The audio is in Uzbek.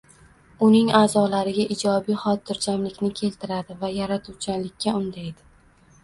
uning a’zolariga ijobiy xotirjamlikni keltiradi va yaratuvchanlikka undaydi.